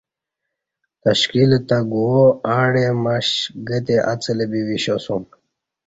تشکیل تہ گوا آڑی معش گتی اڅلہ بی وشسیو م